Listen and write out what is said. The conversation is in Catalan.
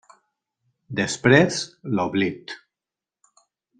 Després, l'oblit.